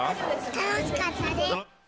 楽しかったです。